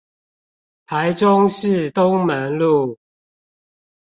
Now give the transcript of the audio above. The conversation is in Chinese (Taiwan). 台中市東門路